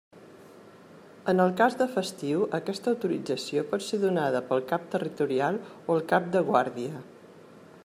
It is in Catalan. En el cas de festiu aquesta autorització pot ser donada pel cap territorial o el cap de guàrdia.